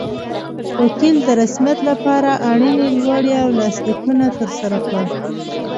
وکیل د رسمیت لپاره اړینې لوړې او لاسلیکونه ترسره کړل.